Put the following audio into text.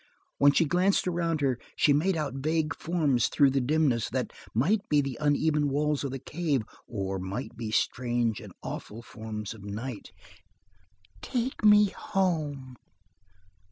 When she glanced around her, she made out vague forms through the dimness that might be the uneven walls of the cave, or might be strange and awful forms of night. "Take me home!"